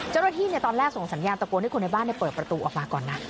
เจ้าหน้าที่ตอนแรกส่งสัญญาณตะโกนให้คนในบ้านเปิดประตูออกมาก่อนนะ